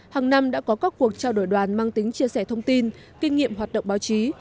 hàng năm đã có các cuộc trao đổi đoàn mang tính chia sẻ thông tin kinh nghiệm hoạt động báo chí